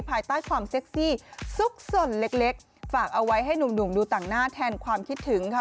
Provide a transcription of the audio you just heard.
ภายใต้ความเซ็กซี่ซุกสนเล็กฝากเอาไว้ให้หนุ่มดูต่างหน้าแทนความคิดถึงค่ะ